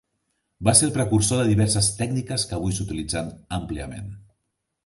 Va ser el precursor de diverses tècniques que avui s'utilitzen àmpliament.